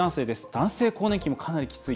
男性更年期も、かなりきつい」。